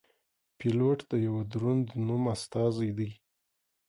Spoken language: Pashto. پیلوټ د یوه دروند نوم استازی دی.